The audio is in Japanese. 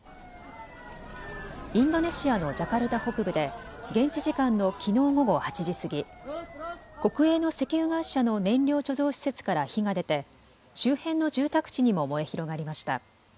インドネシアのジャカルタ北部で現地時間のきのう午後８時過ぎ、国営の石油会社の燃料貯蔵施設から火が出て周辺の住宅地にも燃え広がりました。